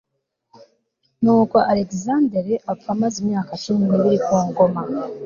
nuko alegisanderi apfa amaze imyaka cumi n'ibiri ku ngoma